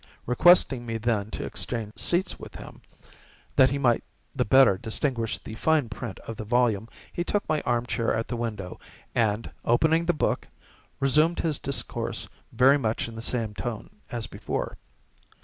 Requesting me then to exchange seats with him, that he might the better distinguish the fine print of the volume, he took my armchair at the window, and, opening the book, resumed his discourse very much in the same tone as before.